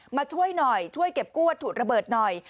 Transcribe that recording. มาช่วยหน่อยช่วยเก็บกู้วัตถุระเบิดหน่อย